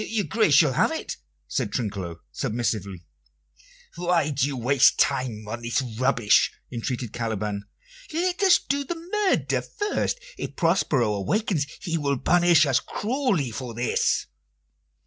"Your grace shall have it," said Trinculo submissively. "Why do you waste time on this rubbish?" entreated Caliban. "Let us do the murder first. If Prospero awakens he will punish us cruelly for this."